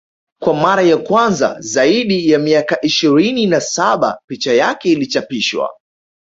Kwa mara ya kwanza zaidi ya miaka ishirini na saba picha yake ilichapishwa